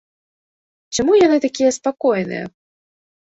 Чаму яны такія спакойныя?